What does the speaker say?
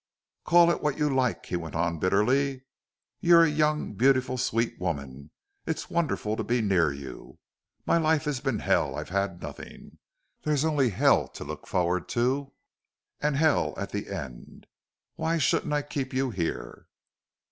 "Call it what you like," he went on, bitterly. "You're a young, beautiful, sweet woman. It's wonderful to be near you. My life has been hell. I've had nothing. There's only hell to look forward to and hell at the end. Why shouldn't I keep you here?"